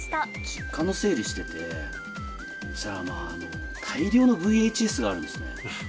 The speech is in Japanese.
実家の整理してて、そうしたら、大量のＶＨＳがあるんですね。